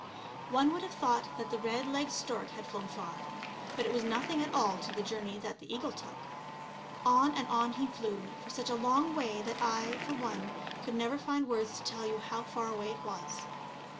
One would have thought that the red legged stork had flown far, but it was nothing at all to the journey that the eagle took. On and on he flew for such a long way that I, for one, could never find words to tell you how far away it was.